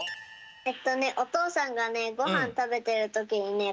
えっとねおとうさんがねごはんたべてるときにね